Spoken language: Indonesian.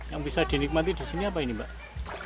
yang bisa dinikmati di sini apa ini mbak